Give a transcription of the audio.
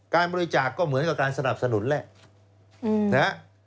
การบริจาคก็เหมือนกับการสนับสนุนแหละ